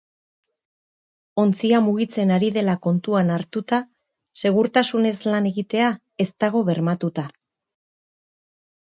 Ontzia mugitzen ari dela kontuan hartuta, segurtasunez lan egitea ez dago bermatuta.